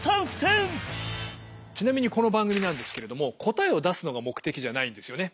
ちなみにこの番組なんですけれども答えを出すのが目的じゃないんですよね。